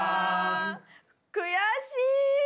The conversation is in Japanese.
悔しい。